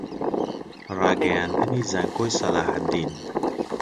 ڕاگەیاندنی زانکۆی سەلاحەددین